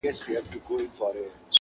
کوم ظالم چي مي افغان په کاڼو ولي.